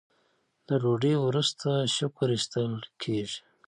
د ډوډۍ وروسته شکر ایستل کیږي.